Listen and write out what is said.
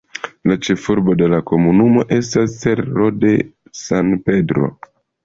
La ĉefurbo de la komunumo estas Cerro de San Pedro.